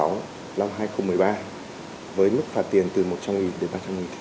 năm hai nghìn một mươi ba với mức phạt tiền từ một trăm linh đến ba trăm linh tỷ